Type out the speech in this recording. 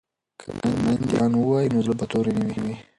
که میندې قران ووايي نو زړه به تور نه وي.